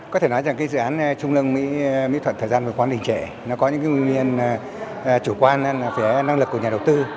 có thể nói rằng dự án trung lương mỹ thuận thời gian của quán đình trẻ nó có những nguyên nhân chủ quan về năng lực của nhà đầu tư